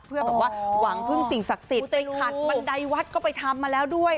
เพื่อแบบว่าหวังพึ่งสิ่งศักดิ์สิทธิ์ไปขัดบันไดวัดก็ไปทำมาแล้วด้วย